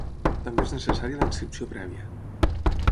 També és necessària la inscripció prèvia.